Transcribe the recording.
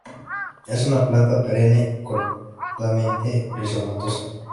Es una planta perenne, cortamente rizomatosa.